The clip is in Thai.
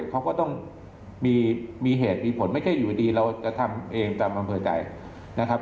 เขาก็ต้องมีเหตุมีผลไม่ใช่อยู่ดีเราจะทำเองตามอำเภอใจนะครับ